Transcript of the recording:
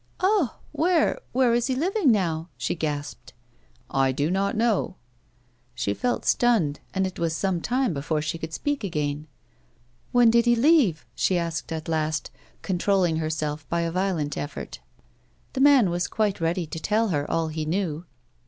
"Ah ! Where — where is he living now ?" she gasped. " I do not know." She felt stunned, and it was some time before she could speak again. " When did he leave ?" she asked at last, controlling her self by a violent effort. The man was quite ready to tell her all he knew.